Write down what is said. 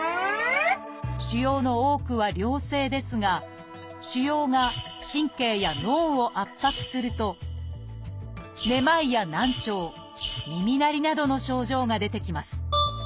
腫瘍の多くは良性ですが腫瘍が神経や脳を圧迫するとめまいや難聴耳鳴りなどの症状が出てきます。